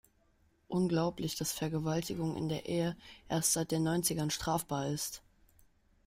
Unglaublich, dass Vergewaltigung in der Ehe erst seit den Neunzigern strafbar ist.